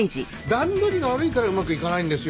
段取りが悪いからうまくいかないんですよ。